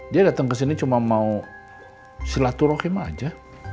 dia datang ke sini cuma mau silaturahim aja